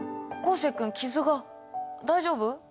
生君傷が大丈夫？